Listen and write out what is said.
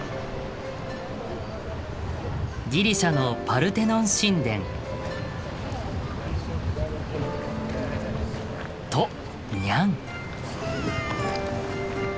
ギリシャのパルテノン神殿。とニャン。